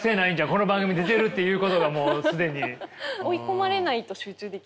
この番組出てるっていうことがもう既に。